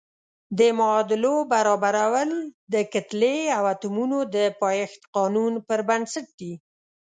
د معادلو برابرول د کتلې او اتومونو د پایښت قانون پر بنسټ دي.